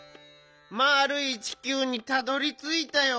「まあるい地球にたどり着いたよ」